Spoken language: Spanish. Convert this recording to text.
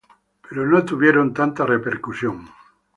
Pero no tuvieron tanta repercusión.